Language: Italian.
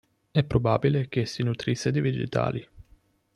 È probabile che si nutrisse di vegetali.